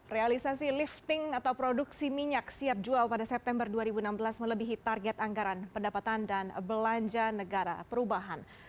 realisasi lifting atau produksi minyak siap jual pada september dua ribu enam belas melebihi target anggaran pendapatan dan belanja negara perubahan